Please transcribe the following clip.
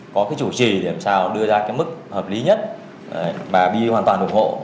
có cái chủ trì để làm sao đưa ra cái mức hợp lý nhất bà bi hoàn toàn ủng hộ